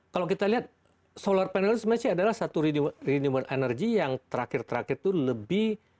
kalau kita lihat solar panel sebenarnya adalah satu renewable energy yang terakhir terakhir itu lebih